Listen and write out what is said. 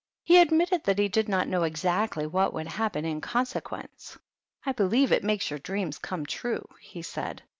He admitted that he did not know exactly what would happen in consequence. "I believe it makes your dreams come true," he said.